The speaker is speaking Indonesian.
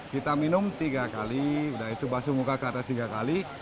kita minum tiga kali udah itu bakso muka ke atas tiga kali